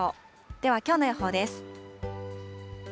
では、きょうの予報です。